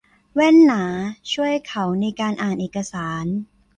แว่นหนาช่วยเขาในการอ่านเอกสาร